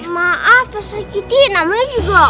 maaf pastri kiti namanya juga